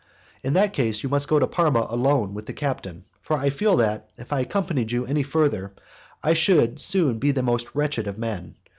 In that case you must go to Parma alone with the captain, for I feel that, if I accompanied you any further, I should soon be the most wretched of men.